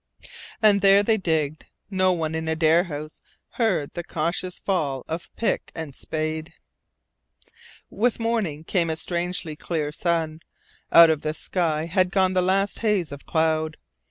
And there they digged. No one in Adare House heard the cautious fall of pick and spade. With morning came a strangely clear sun. Out of the sky had gone the last haze of cloud.